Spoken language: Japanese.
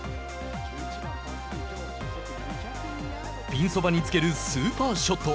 ピンそばにつけるスーパーショット。